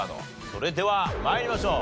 それでは参りましょう。